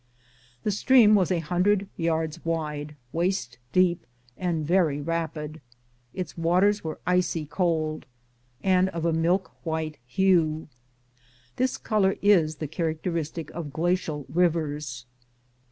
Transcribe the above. The stream was a hundred yards wide, waist deep, and very 1 rapid. Its waters were icy cold, and of a milk white hue. This color is the characteristic of glacial rivers.